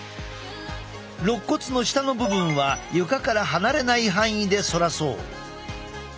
ろっ骨の下の部分は床から離れない範囲で反らそう。